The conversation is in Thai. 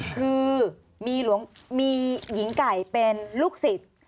คือมีหญิงไก่เป็นลูกศิษย์